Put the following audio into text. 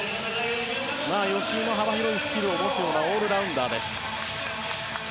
吉井も幅広いスキルを持つようなオールラウンダーです。